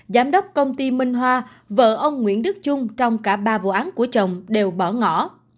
giám đốc công ty minh hoa vợ ông nguyễn đức trung trong cả ba vụ án của chồng đều bỏ ngỏ